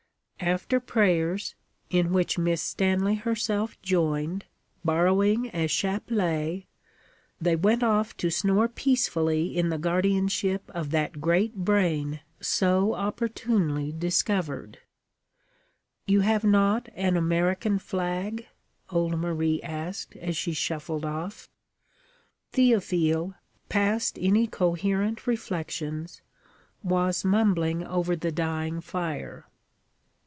After prayers, in which Miss Stanley herself joined, borrowing a chapelet, they went off to snore peacefully in the guardianship of that great brain so opportunely discovered. 'You have not an American flag?' old Marie asked, as she shuffled off. Théophile, past any coherent reflections, was mumbling over the dying fire.